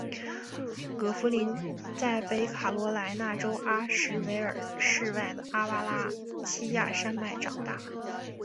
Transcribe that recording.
葛福临在北卡罗来纳州阿什维尔市外的阿巴拉契亚山脉长大。